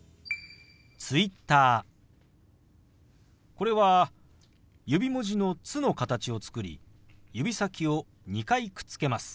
これは指文字の「つ」の形を作り指先を２回くっつけます。